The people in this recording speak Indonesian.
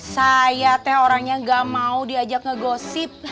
saya teh orangnya gak mau diajak ngegosip